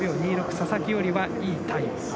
佐々木よりはいいタイム。